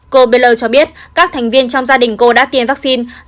cô belar cho biết các thành viên trong gia đình cô đã tiêm vaccine